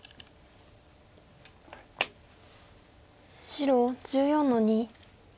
白１４の二。